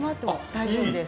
大丈夫です。